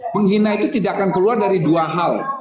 penghina itu tidak akan keluar dari dua hal